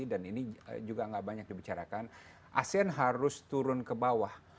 dan ini juga nggak banyak dibicarakan asean harus turun ke bawah